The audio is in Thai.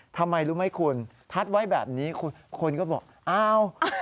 ทำไมรู้ไหมคุณทัดไว้แบบนี้คนก็บอกอ้าว